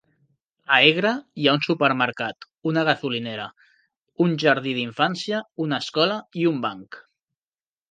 A Hegra hi ha un supermercat, una gasolinera, un jardí d'infància, una escola i un banc.